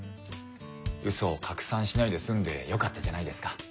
ウソを拡散しないで済んでよかったじゃないですか。